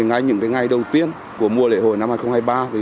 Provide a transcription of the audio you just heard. ngay những ngày đầu tiên của mùa lễ hội năm hai nghìn hai mươi ba